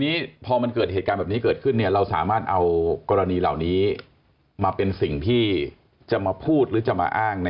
นี่คือคนทั่วไปมองนะ